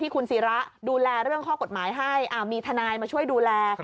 คุณศิระดูแลเรื่องข้อกฎหมายให้มีทนายมาช่วยดูแล